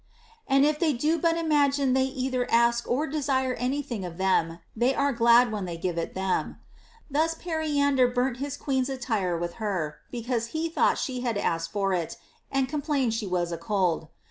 And if they do but imagine they either ask or desire any thing of them, they are glad when they give it them. Thus Periander burnt his queen's attire with her, because he thought she had asked for it and complained she was a cold.